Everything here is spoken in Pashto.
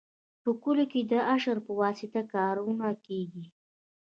په کلیو کې د اشر په واسطه کارونه کیږي.